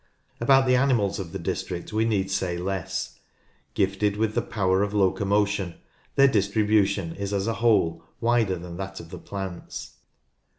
About the animals of the district we need say less. Gifted with power of locomotion, their distribution is as a whole wider than that of the plants.